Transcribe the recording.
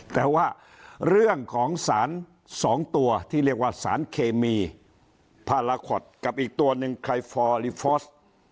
แต่ว่าเรื่องของสาร๒ตัวที่เรียกว่าสารเคมีพาราคอตกับอีกตัวหนึ่งไคฟอร์ลิฟอร์ส